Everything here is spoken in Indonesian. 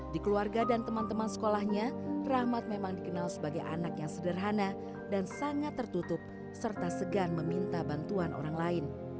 di keluarga dan teman teman sekolahnya rahmat memang dikenal sebagai anak yang sederhana dan sangat tertutup serta segan meminta bantuan orang lain